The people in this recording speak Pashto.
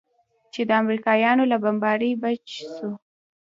چې د امريکايانو له بمبارۍ بچ سو.